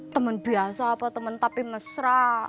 temen biasa apa teman tapi mesra